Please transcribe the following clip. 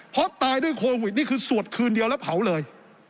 เพราะตายด้วยโควิดนี่คือสวดคืนเดียวแล้วเผาเลย